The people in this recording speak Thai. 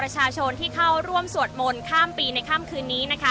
อาจจะออกมาใช้สิทธิ์กันแล้วก็จะอยู่ยาวถึงในข้ามคืนนี้เลยนะคะ